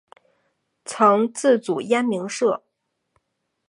曾自组燕鸣社。